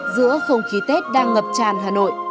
giữa không khí tết đang ngập tràn hà nội